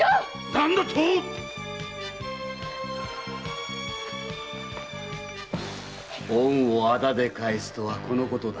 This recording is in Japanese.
何だと⁉恩を仇で返すとはこのことだ。